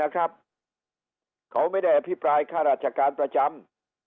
เขาไม่ได้อภิปรายข้าราชการประจำ